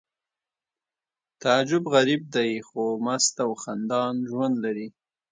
تعجب غریب دی خو مست او خندان ژوند لري